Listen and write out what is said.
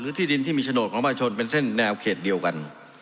ที่ดินที่มีโฉนดของประชาชนเป็นเส้นแนวเขตเดียวกัน